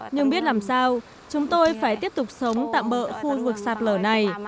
nhưng biết làm sao chúng tôi phải tiếp tục sống tạm bỡ khu vực sạt lở này